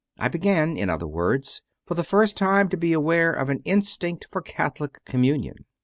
I began, in other words, for the first time to be aware of an instinct for Catholic communion.